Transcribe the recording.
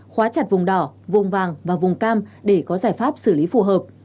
khóa chặt vùng đỏ vùng vàng và vùng cam để có giải pháp xử lý phù hợp